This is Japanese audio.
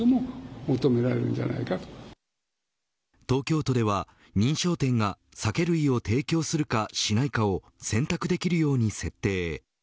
東京都では、認証店が酒類を提供するか、しないかを選択できるように設定。